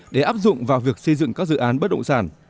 để áp dụng vào việc xây dựng các dự án bất động sản